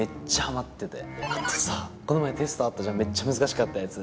あとさこの前テストあったじゃんめっちゃ難しかったやつ。